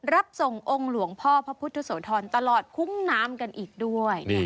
รับส่งองค์หลวงพ่อพระพุทธโสธรตลอดคุ้งน้ำกันอีกด้วย